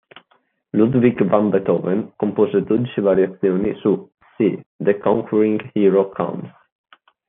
Ludwig van Beethoven compose dodici variazioni su "See, the Conqu'ring Hero Comes!